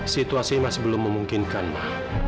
situasi masih belum memungkinkan mbak